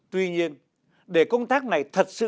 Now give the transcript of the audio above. tuy nhiên để công tác này thật sự thực hiện